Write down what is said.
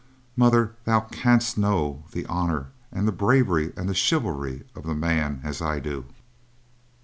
Mother, thou canst not know the honor, and the bravery, and the chivalry of the man as I do.